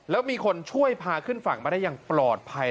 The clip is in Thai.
แล้วมีคนช่วยพาขึ้นฝั่งมาได้อย่างปลอดภัย